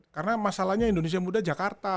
karena masalahnya indonesia muda jakarta